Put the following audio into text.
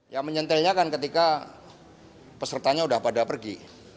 yang menyentelnya kan ketika pesertanya udah pada pergi